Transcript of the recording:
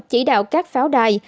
chỉ đạo các pháo đài